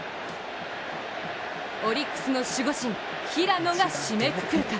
オリックスの守護神・平野が締めくくるか。